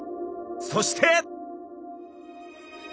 そして。